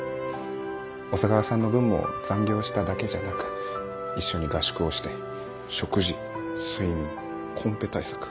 小佐川さんの分も残業しただけじゃなく一緒に合宿をして食事睡眠コンペ対策